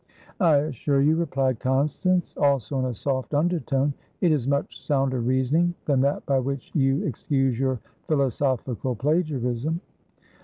"I assure you," replied Constance, also in a soft undertone, "it is much sounder reasoning than that by which you excuse your philosophical plagiarism."